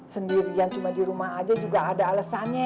sendirian cuma di rumah aja juga ada alasannya